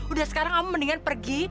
udah sekarang kamu mendingan pergi